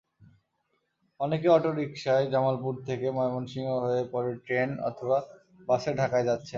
অনেকে অটোরিকশায় জামালপুর থেকে ময়মনসিংহ হয়ে পরে ট্রেন অথবা বাসে ঢাকায় যাচ্ছেন।